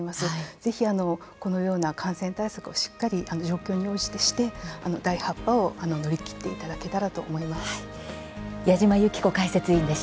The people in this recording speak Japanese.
ぜひ、このような感染対策をしっかり状況に応じてして第８波を乗り切っていただけたらと思います。